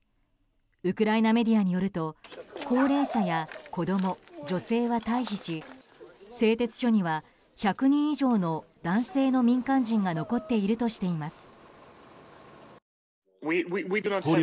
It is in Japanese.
ウクライナメディアによると高齢者や子供、女性は退避し製鉄所には１００人以上の男性の民間人が残っているとしています。